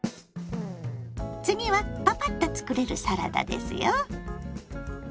次はパパッと作れるサラダですよ。